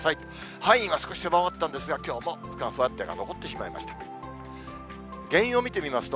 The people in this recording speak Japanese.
範囲は少し狭まったんですが、きょうも若干、不安定さが残ってしまいました。